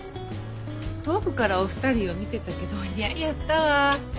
遠くからお二人を見てたけどお似合いやったわあ。